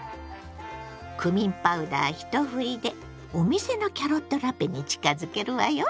クミンパウダー一振りでお店のキャロットラペに近づけるわよ！